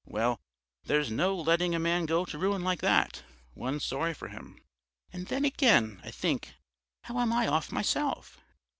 Well, there's no letting a man go to ruin like that.... One's sorry for him. "And then again, I think, how am I off myself?